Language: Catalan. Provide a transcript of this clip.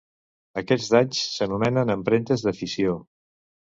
Aquests d'anys s'anomenen empremtes de fissió.